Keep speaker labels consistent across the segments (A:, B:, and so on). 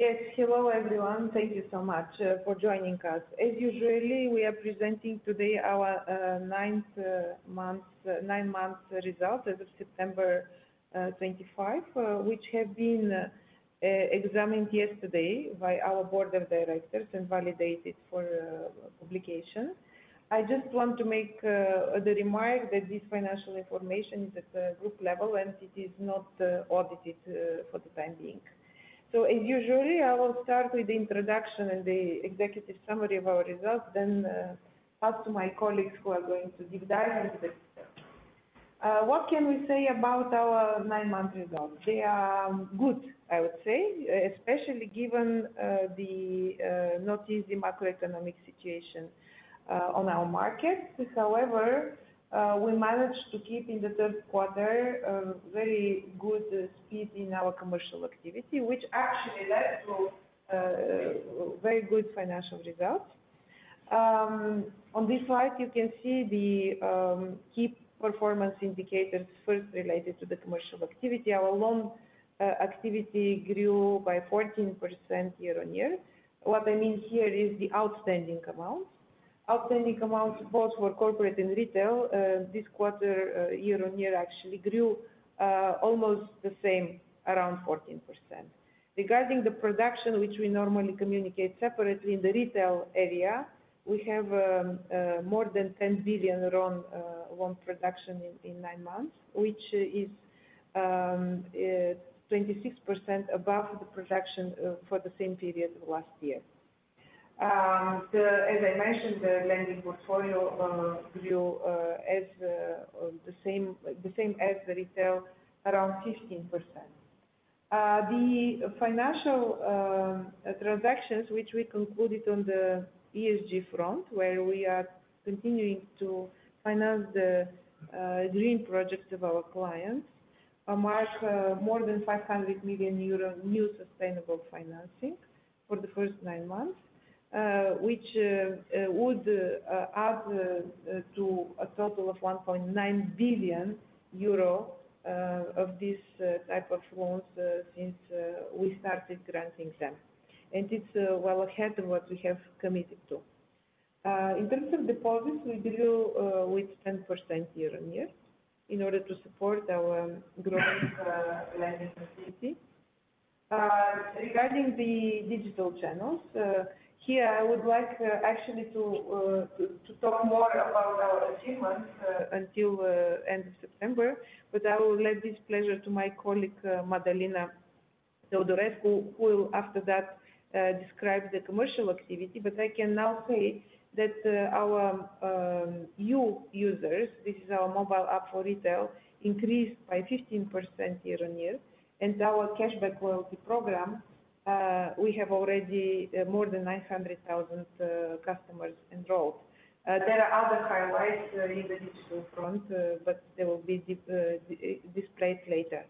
A: Yes, hello everyone. Thank you so much for joining us. As usual, we are presenting today our nine-month results as of September 2025, which have been examined yesterday by our board of directors and validated for publication. I just want to make the remark that this financial information is at the group level and it is not audited for the time being. So, as usual, I will start with the introduction and the executive summary of our results, then pass to my colleagues who are going to deep dive into the results. What can we say about our nine-month results? They are good, I would say, especially given the not easy macroeconomic situation on our market. However, we managed to keep in the third quarter a very good speed in our commercial activity, which actually led to very good financial results. On this slide, you can see the key performance indicators, first related to the commercial activity. Our loan activity grew by 14% year-on-year. What I mean here is the outstanding amounts. Outstanding amounts both for corporate and retail this quarter, year-on-year, actually grew almost the same, around 14%. Regarding the production, which we normally communicate separately, in the retail area, we have more than 10 billion loan production in nine months, which is 26% above the production for the same period last year. As I mentioned, the lending portfolio grew the same as the retail, around 15%. The financial transactions, which we concluded on the ESG front, where we are continuing to finance the green projects of our clients, amount to more than 500 million euro new sustainable financing for the first nine months, which would add to a total of 1.9 billion euro of this type of loans since we started granting them. And it's well ahead of what we have committed to. In terms of deposits, we grew with 10% year-on-year in order to support our growth lending activity. Regarding the digital channels, here I would like actually to talk more about our achievements until the end of September, but I will leave this pleasure to my colleague Mădălina Teodorescu, who will after that describe the commercial activity. But I can now say that our YOU users, this is our mobile app for retail, increased by 15% year-on-year. Our cashback loyalty program, we have already more than 900,000 customers enrolled. There are other highlights in the digital front, but they will be displayed later.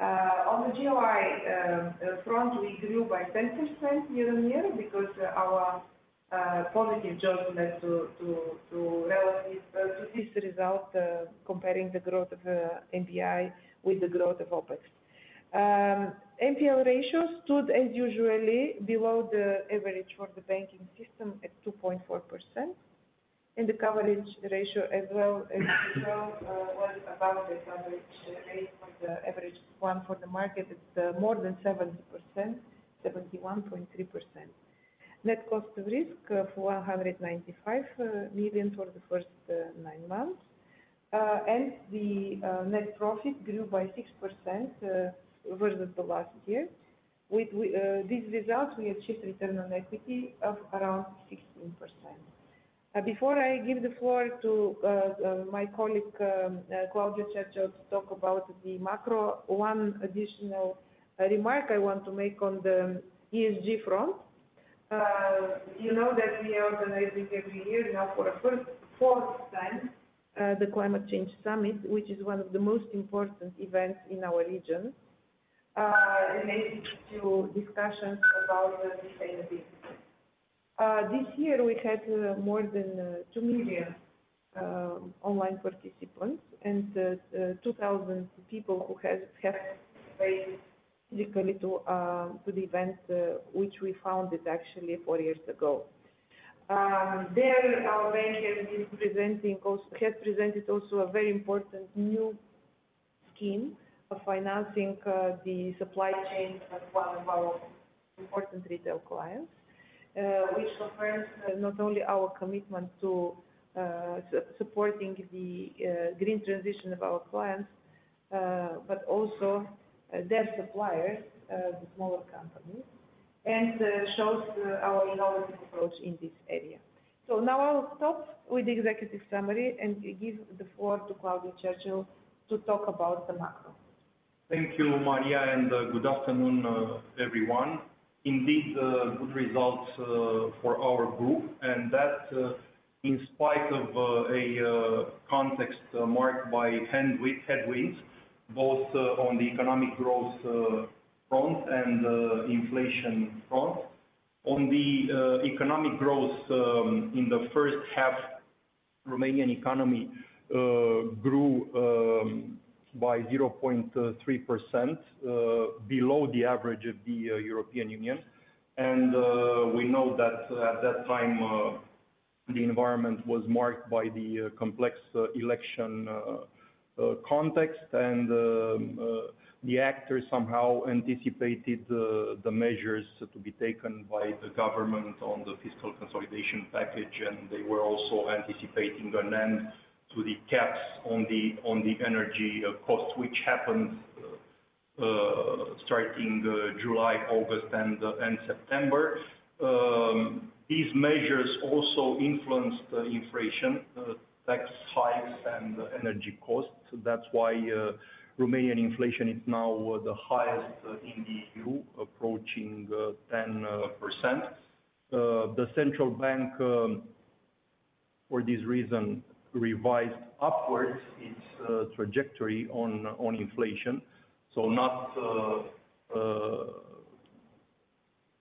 A: On the GOI front, we grew by 10% year-on-year because our positive growth led to this result, comparing the growth of NBI with the growth of OPEX. NPL ratio stood, as usual, below the average for the banking system at 2.4%. The coverage ratio, as well as usual, was about the average rate for the average one for the market at more than 70%, 71.3%. Net cost of risk for 195 million for the first nine months. The net profit grew by 6% versus the last year. With these results, we achieved return on equity of around 16%. Before I give the floor to my colleague Claudiu Cercel to talk about the macro, one additional remark I want to make on the ESG front. You know that we are organizing every year now for the fourth time the Climate Change Summit, which is one of the most important events in our region, related to discussions about sustainability. This year, we had more than 2 million online participants and 2,000 people who have participated physically to the event, which we founded actually four years ago. There, our bank has presented also a very important new scheme of financing the supply chain of one of our important retail clients, which confirms not only our commitment to supporting the green transition of our clients, but also their suppliers, the smaller companies, and shows our innovative approach in this area. So now I'll stop with the executive summary and give the floor to Claudiu Cercel to talk about the macro.
B: Thank you, Maria, and good afternoon, everyone. Indeed, good results for our group, and that in spite of a context marked by headwinds, both on the economic growth front and inflation front. On the economic growth, in the first half, the Romanian economy grew by 0.3%, below the average of the European Union. And we know that at that time, the environment was marked by the complex election context, and the actors somehow anticipated the measures to be taken by the government on the fiscal consolidation package, and they were also anticipating an end to the caps on the energy cost, which happened starting July, August, and September. These measures also influenced inflation, tax hikes, and energy costs. That's why Romanian inflation is now the highest in the EU, approaching 10%. The central bank, for this reason, revised upwards its trajectory on inflation, so not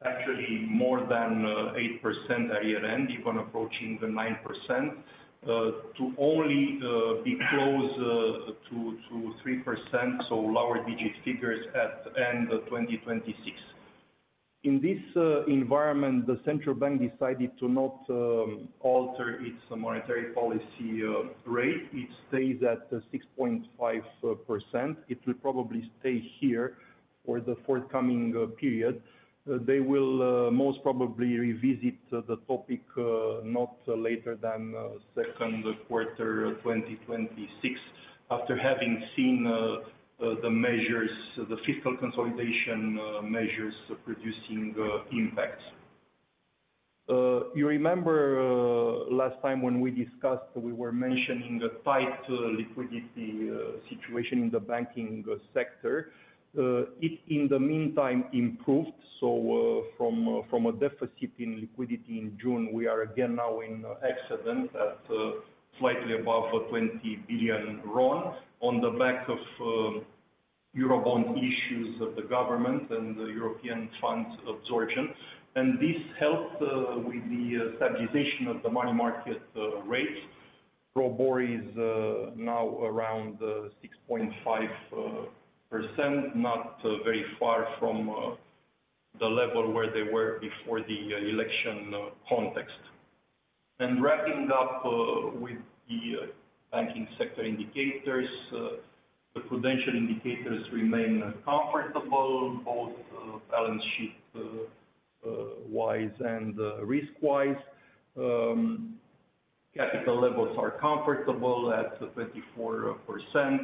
B: actually more than 8% year-end, even approaching the 9%, to only be close to 3%, so lower digit figures at the end of 2026. In this environment, the central bank decided to not alter its monetary policy rate. It stays at 6.5%. It will probably stay here for the forthcoming period. They will most probably revisit the topic not later than second quarter 2026, after having seen the fiscal consolidation measures producing impacts. You remember last time when we discussed, we were mentioning a tight liquidity situation in the banking sector. It, in the meantime, improved. So from a deficit in liquidity in June, we are again now in excellent, at slightly above 20 billion on the back of Eurobond issues of the government and European funds absorption. This helped with the stabilization of the money market rates. ROBOR is now around 6.5%, not very far from the level where they were before the election context. And wrapping up with the banking sector indicators, the prudential indicators remain comfortable, both balance sheet-wise and risk-wise. Capital levels are comfortable at 24%.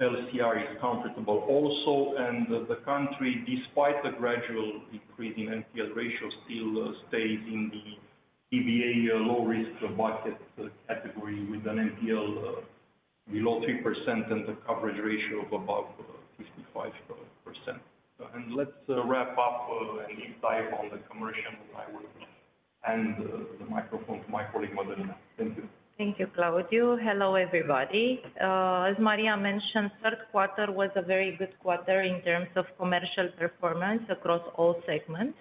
B: LCR is comfortable also. And the country, despite the gradual increase in NPL ratio, still stays in the EBA low-risk bucket category with an NPL below 3% and a coverage ratio of above 55%. And let's wrap up and deep dive on the commercial. I will hand the microphone to my colleague Mădălina. Thank you.
C: Thank you, Claudiu. Hello, everybody. As Maria mentioned, the third quarter was a very good quarter in terms of commercial performance across all segments,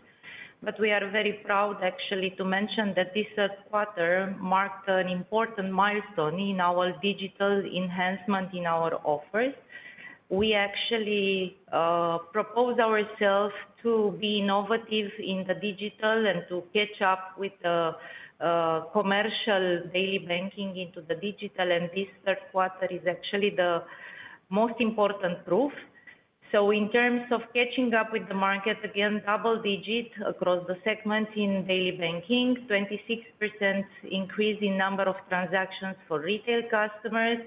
C: but we are very proud, actually, to mention that this third quarter marked an important milestone in our digital enhancement in our offers. We actually proposed ourselves to be innovative in the digital and to catch up with the commercial daily banking into the digital, and this third quarter is actually the most important proof, so in terms of catching up with the market, again, double-digit across the segments in daily banking, 26% increase in number of transactions for retail customers,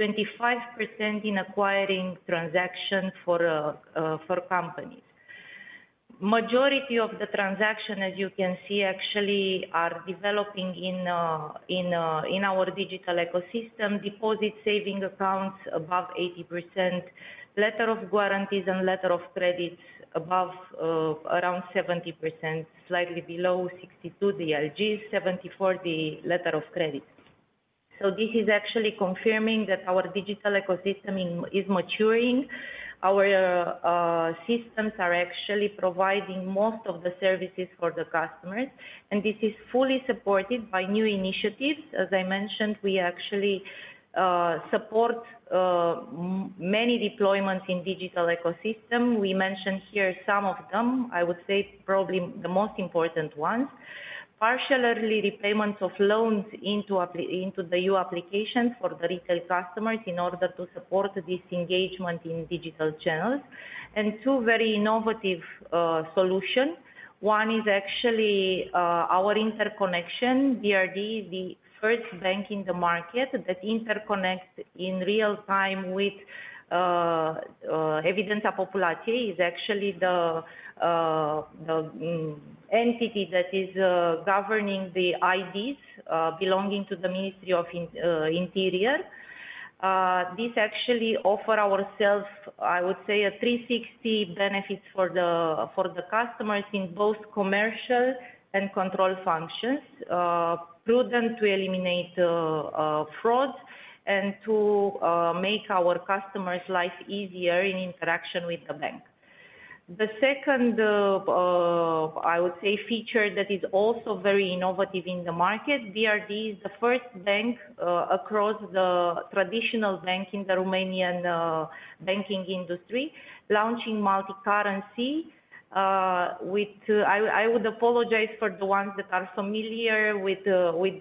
C: 25% in acquiring transactions for companies. Majority of the transactions, as you can see, actually are developing in our digital ecosystem. Deposit savings accounts above 80%, letters of guarantee and letters of credits above around 70%, slightly below 62% the LGs, 74% the letters of credits. So this is actually confirming that our digital ecosystem is maturing. Our systems are actually providing most of the services for the customers. And this is fully supported by new initiatives. As I mentioned, we actually support many deployments in the digital ecosystem. We mentioned here some of them. I would say probably the most important ones: partial early repayments of loans into the new applications for the retail customers in order to support this engagement in digital channels. And two very innovative solutions. One is actually our interconnection, BRD, the first bank in the market that interconnects in real time with Evidența Populației. It's actually the entity that is governing the IDs belonging to the Ministry of Interior. This actually offers ourselves, I would say, a 360 benefit for the customers in both commercial and control functions, prudent to eliminate fraud and to make our customers' life easier in interaction with the bank. The second, I would say, feature that is also very innovative in the market. BRD is the first bank across the traditional bank in the Romanian banking industry launching multicurrency. I would apologize for the ones that are familiar with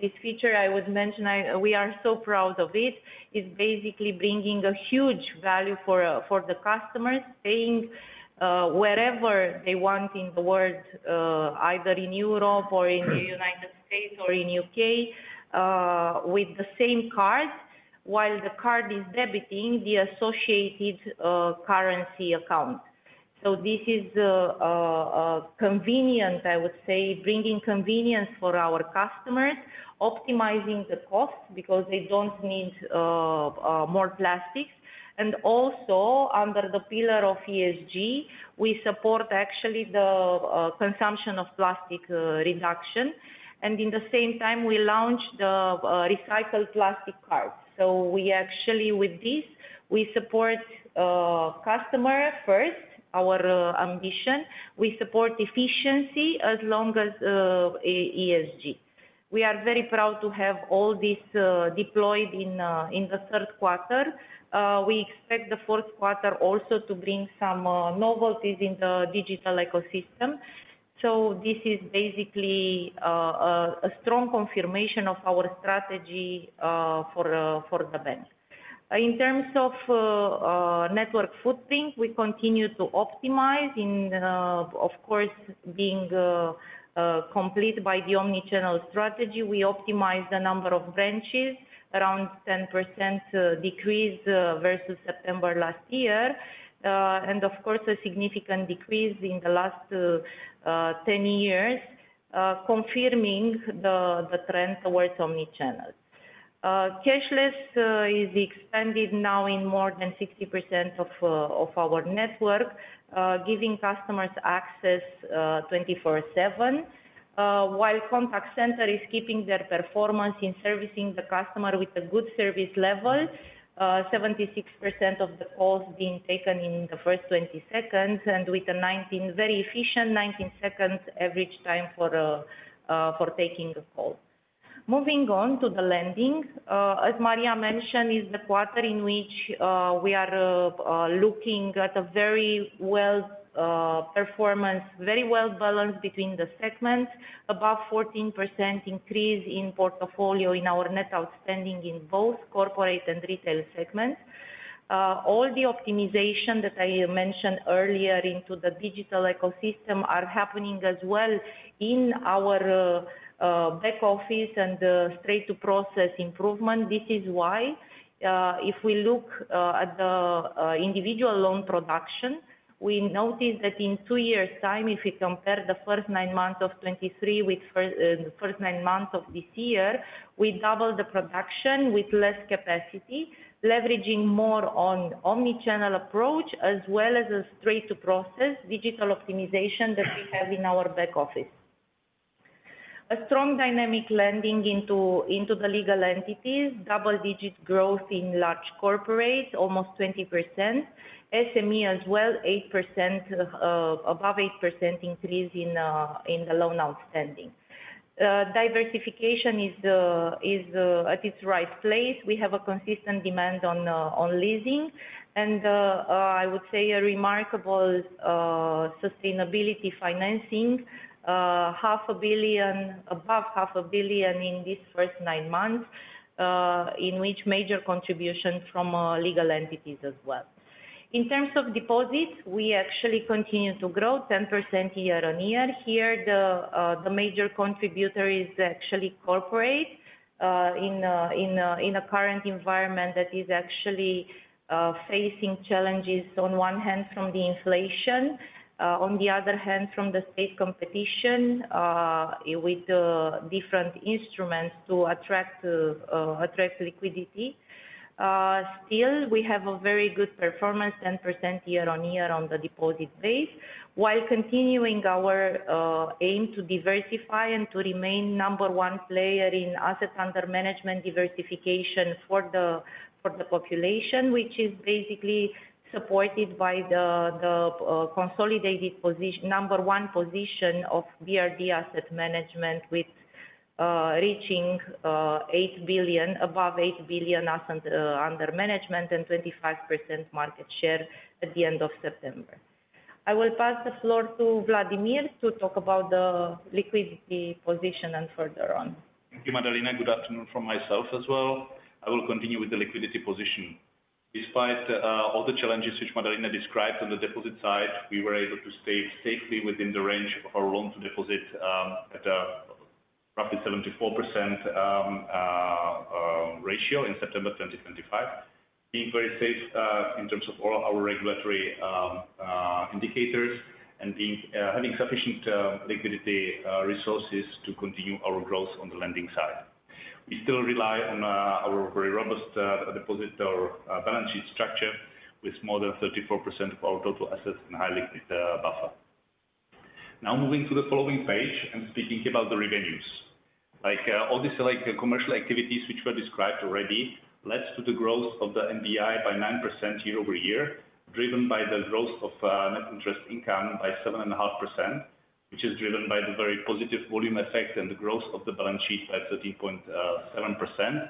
C: this feature. I would mention we are so proud of it. It's basically bringing a huge value for the customers, paying wherever they want in the world, either in Europe or in the United States or in the U.K., with the same card while the card is debiting the associated currency account. So this is convenient, I would say, bringing convenience for our customers, optimizing the cost because they don't need more plastics. And also, under the pillar of ESG, we actually support the reduction of plastic consumption. And at the same time, we launched the recycled plastic cards. So actually, with this, we support customer first, our ambition. We support efficiency as well as ESG. We are very proud to have all this deployed in the third quarter. We expect the fourth quarter also to bring some novelties in the digital ecosystem. So this is basically a strong confirmation of our strategy for the bank. In terms of network footprint, we continue to optimize, of course, being complemented by the omnichannel strategy. We optimized the number of branches, around 10% decrease versus September last year. And of course, a significant decrease in the last 10 years, confirming the trend towards omnichannel. Cashless is expanded now in more than 60% of our network, giving customers access 24/7, while contact center is keeping their performance in servicing the customer with a good service level, 76% of the calls being taken in the first 20 seconds, and with a very efficient 19-second average time for taking a call. Moving on to the lending, as Maria mentioned, is the quarter in which we are looking at a very well-performed, very well-balanced between the segments, above 14% increase in portfolio in our net outstanding in both corporate and retail segments. All the optimization that I mentioned earlier into the digital ecosystem are happening as well in our back office and straight-through process improvement. This is why, if we look at the individual loan production, we notice that in two years' time, if we compare the first nine months of 2023 with the first nine months of this year, we doubled the production with less capacity, leveraging more on omnichannel approach as well as a straight-through process digital optimization that we have in our back office. A strong dynamic lending into the legal entities, double-digit growth in large corporates, almost 20%. SME as well, above 8% increase in the loan outstanding. Diversification is at its right place. We have a consistent demand on leasing. And I would say a remarkable sustainability financing, above 500 million in these first nine months, in which major contribution from legal entities as well. In terms of deposits, we actually continue to grow, 10% year-on-year. Here, the major contributor is actually corporate in a current environment that is actually facing challenges on one hand from the inflation, on the other hand from the state competition with different instruments to attract liquidity. Still, we have a very good performance, 10% year-on-year on the deposit base, while continuing our aim to diversify and to remain number one player in assets under management diversification for the population, which is basically supported by the consolidated number one position of BRD Asset Management with reaching above 8 billion assets under management and 25% market share at the end of September. I will pass the floor to Vladimir to talk about the liquidity position and further on.
D: Thank you, Mădălina. Good afternoon from myself as well. I will continue with the liquidity position. Despite all the challenges which Mădălina described on the deposit side, we were able to stay safely within the range of our loan-to-deposit at roughly 74% ratio in September 2025, being very safe in terms of all our regulatory indicators and having sufficient liquidity resources to continue our growth on the lending side. We still rely on our very robust deposit or balance sheet structure with more than 34% of our total assets in high-liquid buffer. Now moving to the following page and speaking about the revenues. All these commercial activities, which were described already, led to the growth of the NBI by 9% year-over-year, driven by the growth of net interest income by 7.5%, which is driven by the very positive volume effect and the growth of the balance sheet by 13.7%.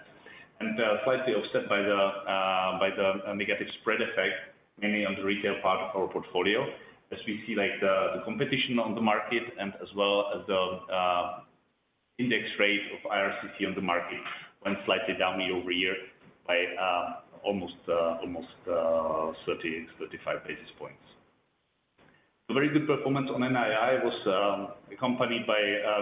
D: Slightly offset by the negative spread effect, mainly on the retail part of our portfolio, as we see the competition on the market and as well as the index rate of IRCC on the market went slightly down year-over-year by almost 30-35 basis points. A very good performance on NII was accompanied by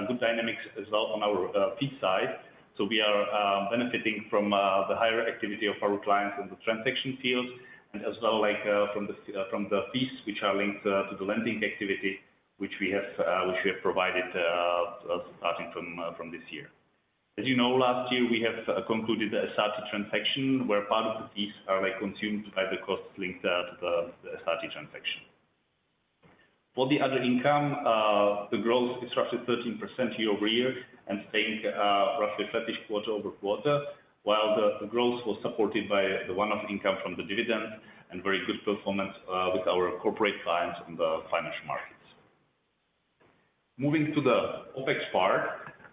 D: good dynamics as well on our fee side. We are benefiting from the higher activity of our clients in the transaction field and as well from the fees which are linked to the lending activity, which we have provided starting from this year. As you know, last year, we have concluded the SRT transaction, where part of the fees are consumed by the cost linked to the SRT transaction. For the other income, the growth is roughly 13% year-over-year and staying roughly flatish quarter-over-quarter, while the growth was supported by the one-off income from the dividends and very good performance with our corporate clients in the financial markets. Moving to the OPEX part,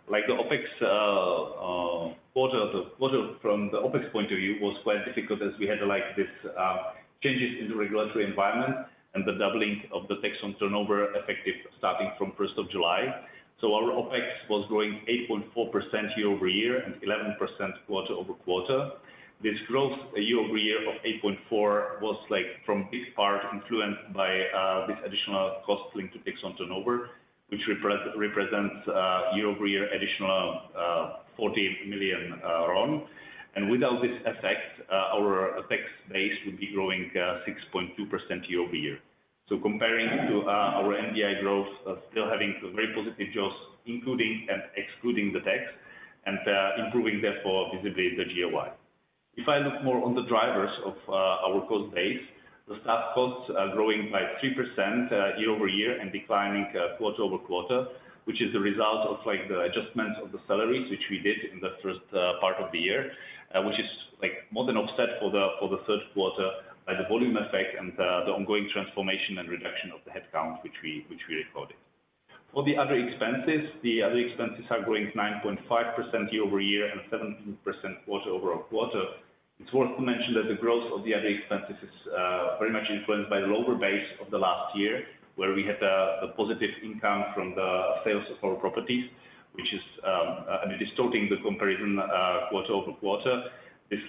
D: the OPEX quarter from the OPEX point of view was quite difficult as we had these changes in the regulatory environment and the doubling of the tax on turnover effective starting from 1st of July. So our OPEX was growing 8.4% year-over-year and 11% quarter-over-quarter. This growth year-over-year of 8.4 was from this part influenced by this additional cost linked to tax on turnover, which represents year-over-year additional RON 40 million. And without this effect, our tax base would be growing 6.2% year-over-year. So comparing to our NBI growth, still having very positive growth, including and excluding the tax, and improving therefore visibly the GOI. If I look more on the drivers of our cost base, the staff costs are growing by 3% year-over-year and declining quarter-over-quarter, which is the result of the adjustments of the salaries, which we did in the first part of the year, which is more than offset for the third quarter by the volume effect and the ongoing transformation and reduction of the headcount, which we recorded. For the other expenses, the other expenses are growing 9.5% year-over-year and 17% quarter-over-quarter. It's worth to mention that the growth of the other expenses is very much influenced by the lower base of the last year, where we had the positive income from the sales of our properties, which is distorting the comparison quarter-over-quarter. This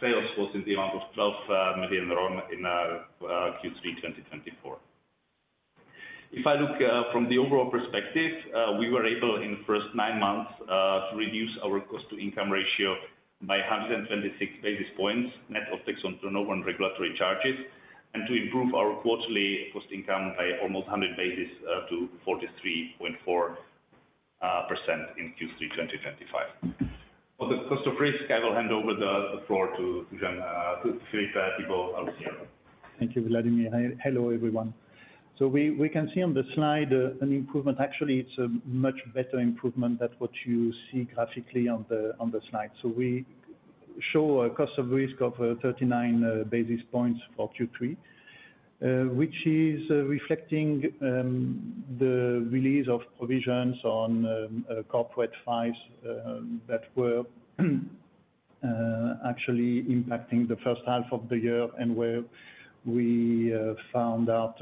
D: sales was in the amount of RON 12 million in Q3 2024. If I look from the overall perspective, we were able in the first nine months to reduce our cost-to-income ratio by 126 basis points, net of tax on turnover and regulatory charges, and to improve our quarterly cost-to-income by almost 100 basis points to 43.4% in Q3 2025. For the cost of risk, I will hand over the floor to Philippe Thibaud.
E: Thank you, Vladimír. Hello, everyone. So we can see on the slide an improvement. Actually, it's a much better improvement than what you see graphically on the slide. So we show a cost of risk of 39 basis points for Q3, which is reflecting the release of provisions on corporate files that were actually impacting the first half of the year and where we found out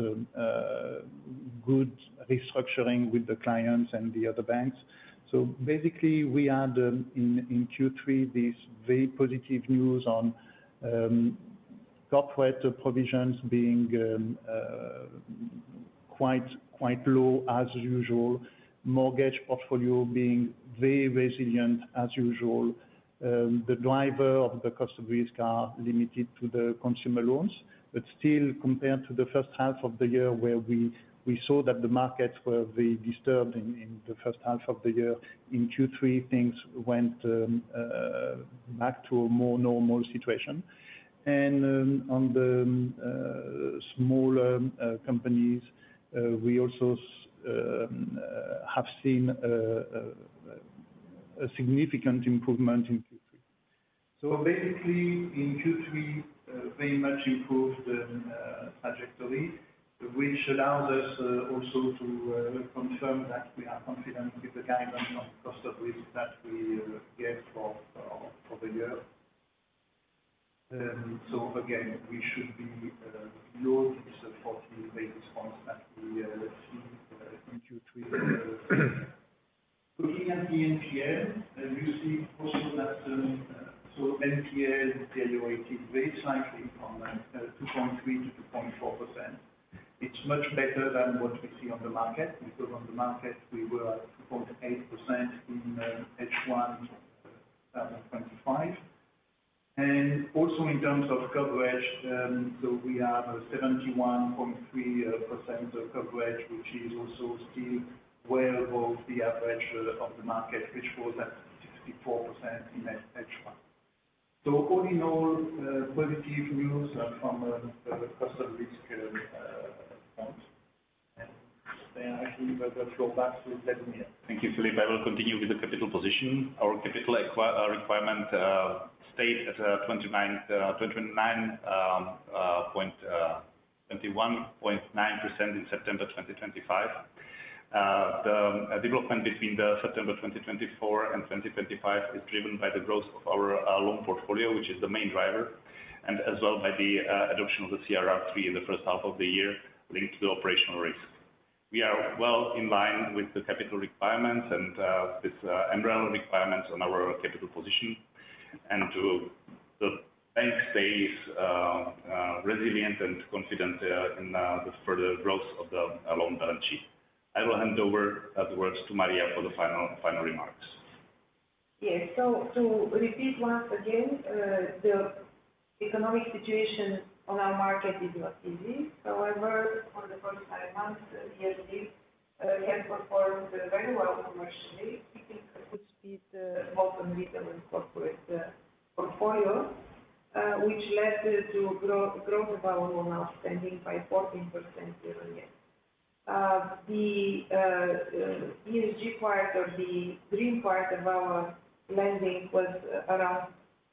E: good restructuring with the clients and the other banks. So basically, we had in Q3 this very positive news on corporate provisions being quite low as usual, mortgage portfolio being very resilient as usual. The driver of the cost of risk is limited to the consumer loans. But still, compared to the first half of the year, where we saw that the markets were very disturbed in the first half of the year, in Q3, things went back to a more normal situation. On the smaller companies, we also have seen a significant improvement in Q3. So basically, in Q3, very much improved trajectory, which allows us also to confirm that we are confident with the guidance on the cost of risk that we gave for the year. So again, we should be low in the 40 basis points that we see in Q3. Looking at the NPL, you see also that NPL deteriorated very slightly from 2.3%-2.4%. It's much better than what we see on the market because on the market, we were at 2.8% in H1 2025. Also in terms of coverage, so we have a 71.3% coverage, which is also still well above the average of the market, which was at 64% in H1. So all in all, positive news from the cost of risk point. I think we will go back to Vladimir.
D: Thank you, Philippe. I will continue with the capital position. Our capital requirement stayed at 21.9% in September 2025. The development between September 2024 and 2025 is driven by the growth of our loan portfolio, which is the main driver, and as well by the adoption of the CRR3 in the first half of the year linked to the operational risk. We are well in line with the capital requirements and this umbrella requirements on our capital position. The bank stays resilient and confident in the further growth of the loan balance sheet. I will hand over the words to Maria for the final remarks.
A: Yes. So to repeat once again, the economic situation on our market is not easy. However, for the first nine months, we have performed very well commercially, keeping a good speed both on retail and corporate portfolio, which led to a growth of our loan outstanding by 14% year-on-year. The ESG part or the green part of our lending was around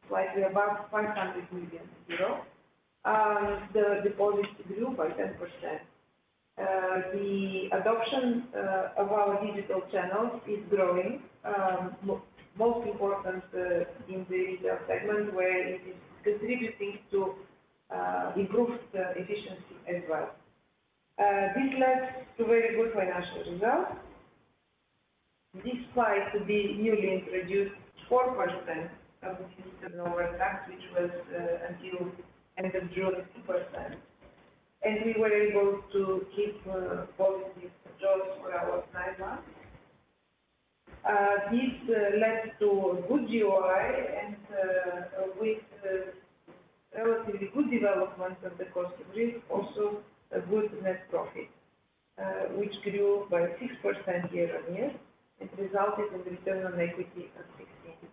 A: slightly above 500 million euros. The deposits grew by 10%. The adoption of our digital channels is growing, most important in the retail segment, where it is contributing to improved efficiency as well. This led to very good financial results, despite the newly introduced 4% of the turnover tax, which was until end of June 2%. And we were able to keep positive growth for our nine months. This led to good GOI and with relatively good development of the cost of risk, also a good net profit, which grew by 6% year-on-year. It resulted in return on equity of 16%.